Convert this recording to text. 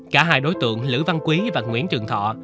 cả hai đối tượng lữ văn quý và nguyễn trường thọ